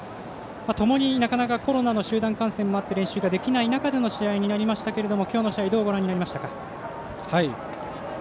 ともに、なかなかコロナの集団感染もあって練習ができない中での試合になりましたけれどもきょうの試合どうご覧になりましたか。